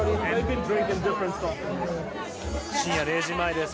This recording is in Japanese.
深夜０時前です。